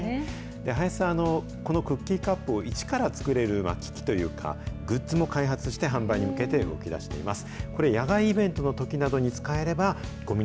林さん、このクッキーカップを位置から作れる機器というか、グッズも開発して、販売に向けて動きだしています。